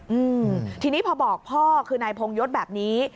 อืมทีนี้พอบอกพ่อคือนายพงยศแบบนี้